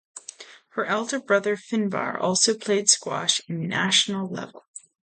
Her elder brother Finbarr also played squash in national level.